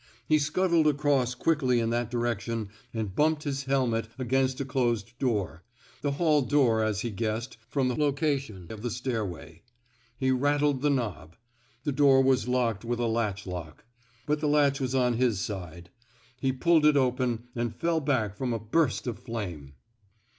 He scuttled across quickly in that direction and bumped his helmet against a closed door — the hall door as he guessed from the location of the stairway. He rattled the knob. The door was locked with a latch lock. But the latch was on his side. He pulled it open and fell back from a burst of flame.